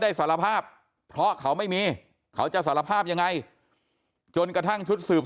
สารภาพเพราะเขาไม่มีเขาจะสารภาพยังไงจนกระทั่งชุดสืบ